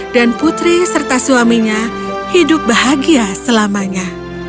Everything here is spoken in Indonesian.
dan putri serta suaminya hidup bahagia selamanya